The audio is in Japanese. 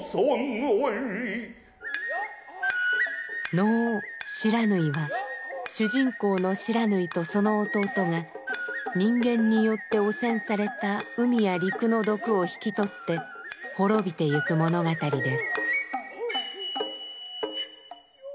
能「不知火」は主人公の不知火とその弟が人間によって汚染された海や陸の毒をひきとって滅びてゆく物語です。